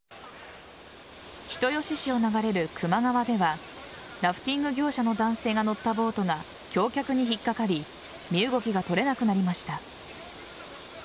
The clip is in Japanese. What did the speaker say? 人吉市を流れる球磨川ではラフティング業者の男性が乗ったボートが橋脚に引っかかり身動きが取れなくなりました。